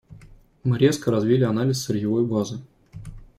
Мы резко развили анализ сырьевой базы.